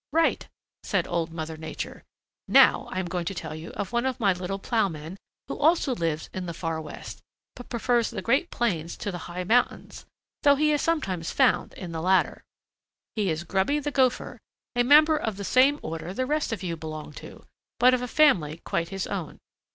"Right," said Old Mother Nature. "Now I am going to tell you of one of my little plowmen who also lives in the Far West but prefers the great plains to the high mountains, though he is sometimes found in the latter. He is Grubby the Gopher, a member of the same order the rest of you belong to, but of a family quite his own.